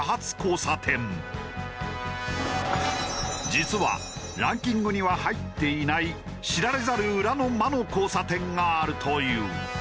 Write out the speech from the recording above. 実はランキングには入っていない知られざる裏の魔の交差点があるという。